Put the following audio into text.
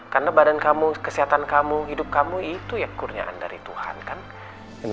karena badan kamu kesehatan kamu hidup kamu itu ya kurniaan dari tuhan